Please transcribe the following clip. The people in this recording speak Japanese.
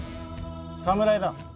侍だ。